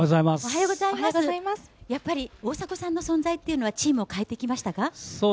大迫さんの存在というのはチームを変えてきましたか？